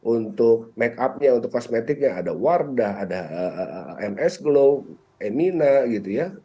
untuk make up nya untuk kosmetiknya ada wardah ada ms glow emina gitu ya